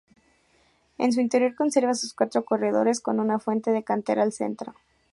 En su interior conserva sus cuatro corredores con una fuente de cantera al centro.